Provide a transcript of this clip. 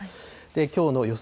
きょうの予想